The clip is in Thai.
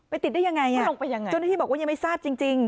ไปติดได้ยังไงอ่ะมันลงไปยังไงเจ้าหน้าที่บอกว่ายังไม่ทราบจริงจริง